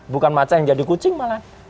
bukan macan yang jadi kucing malah